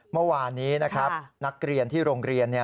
เมื่อวานนี้นะครับนักเรียนที่โรงเรียน